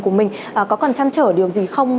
của mình có còn trăn trở điều gì không